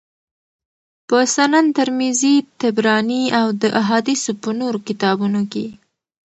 په سنن ترمذي، طبراني او د احاديثو په نورو کتابونو کي